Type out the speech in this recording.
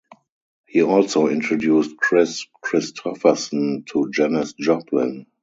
He also introduced Kris Kristofferson to Janis Joplin.